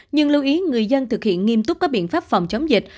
nhưng lưu ý người dân thực hiện nghiêm túc các biện pháp phòng chống dịch